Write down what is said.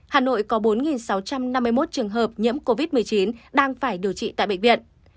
hà nội có bốn sáu trăm năm mươi một trường hợp nhiễm covid một mươi chín đang phải điều trị tại bệnh viện